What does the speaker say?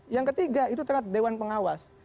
yang ketiga itu terhadap dewan pengawas